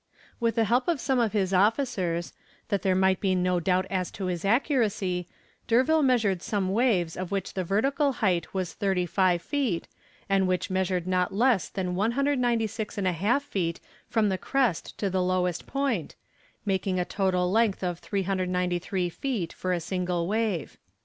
With the help of some of his officers, that there might be no doubt as to his accuracy, D'Urville measured some waves of which the vertical height was thirty five feet, and which measured not less than 196 1/2 feet from the crest to the lowest point, making a total length of 393 feet for a single wave.